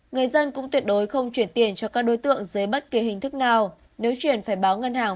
người dân cũng tuyệt đối không chuyển tiền cho các đối tượng dưới bất kỳ hình thức nào nếu chuyển phải báo ngân hàng